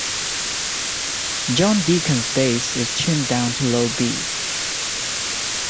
John Deacon's bass is tuned down to a low B.